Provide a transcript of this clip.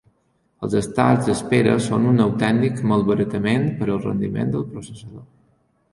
Els estats d'espera són un autèntic malbaratament per al rendiment del processador.